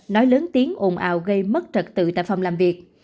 nói lớn tiếng ồn ào gây mất trật tự tại phòng làm việc